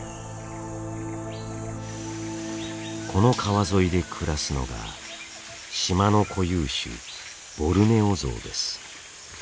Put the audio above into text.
この川沿いで暮らすのが島の固有種ボルネオゾウです。